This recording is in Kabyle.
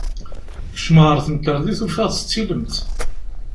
Kecmeɣ ɣer temkerḍit ufiɣ-tt d tilemt.